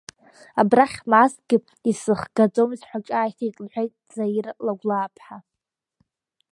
Абрахь ҳмаазҭгьы исзыхгаӡомызт ҳәа ҿааиҭит, — лҳәеит Заира Лагәлааԥҳа.